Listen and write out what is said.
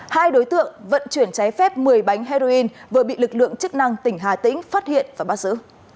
hai đối tượng vận chuyển trái phép một mươi bánh heroin vừa bị lực lượng chức năng tỉnh hà tĩnh phát hiện và bắt giữ